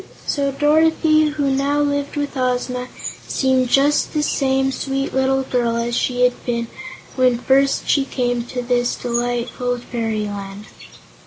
So Dorothy, who now lived with Ozma, seemed just the same sweet little girl she had been when first she came to this delightful fairyland.